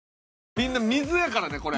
みんな水やからねこれ。